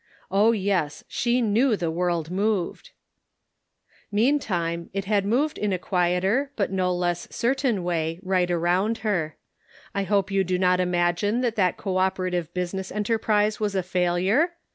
Oh, yes, she knew the world moved ! Meantime it had moved in a quieter, but no less certain way right around her. I hope you do not imagine that that co operative business enterprise was a failure?